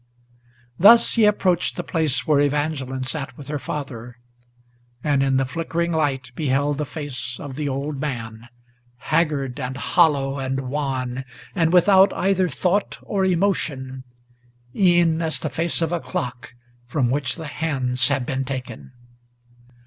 Thus he approached the place where Evangeline sat with her father, And in the flickering light beheld the face of the old man, Haggard and hollow and wan, and without either thought or emotion, E'en as the face of a clock from which the hands have been taken.